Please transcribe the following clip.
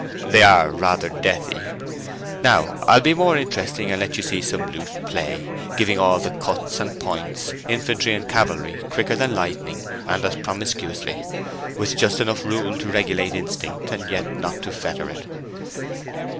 "They are rather deathly. Now I'll be more interesting, and let you see some loose play—giving all the cuts and points, infantry and cavalry, quicker than lightning, and as promiscuously—with just enough rule to regulate instinct and yet not to fetter it.